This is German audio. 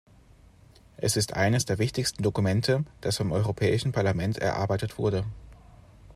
Es ist eines der wichtigsten Dokumente, das vom Europäischen Parlament erarbeitet wurde.